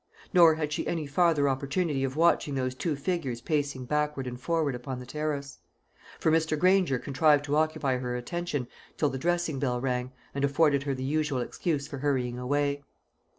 Nor had she any farther opportunity of watching those two figures pacing backward and forward upon the terrace; for Mr. Granger contrived to occupy her attention till the dressing bell rang, and afforded her the usual excuse for hurrying away.